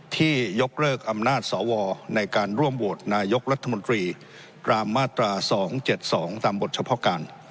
ยกเลิกอำนาจสวในการร่วมโหวตนายกรัฐมนตรีตามมาตรา๒๗๒ตามบทเฉพาะการ